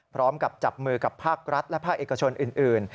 พร้อมกับจับมือกับภาครัฐและภาคเอกชนอื่น